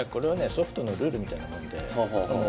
ソフトのルールみたいなもんでお約束ですね。